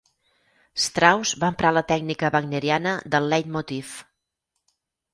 Strauss va emprar la tècnica wagneriana del leitmotiv.